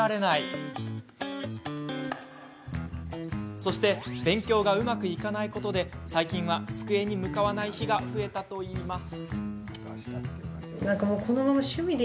そして、勉強がうまくいかないことで最近は机に向かわない日が増えたといいます。